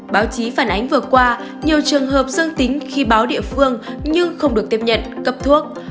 báo chí phản ánh vừa qua nhiều trường hợp dương tính khi báo địa phương nhưng không được tiếp nhận cấp thuốc